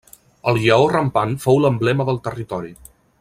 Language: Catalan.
Ell lleó rampant fou l'emblema del territori.